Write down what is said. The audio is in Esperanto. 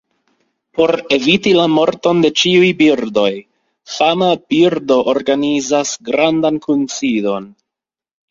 Por eviti la morton de ĉiuj birdoj, fama birdo organizas grandan kunsidon.